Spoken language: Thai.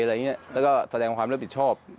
อะไรอย่างนี้แล้วก็แสดงความรับติดชอบ